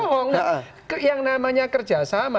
sebenarnya bohong yang namanya kerjasama